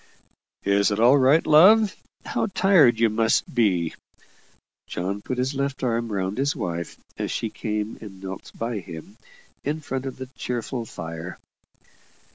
"Is all right, love? How tired you must be!" John put his left arm round his wife as she came and knelt by him, in front of the cheerful fire.